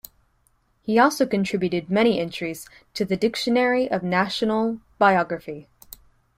He also contributed many entries to the "Dictionary of National Biography".